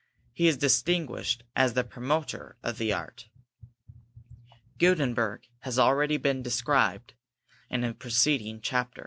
He is distinguished as the Promoter of the art. Gutenberg has been already described in a preceding chapter.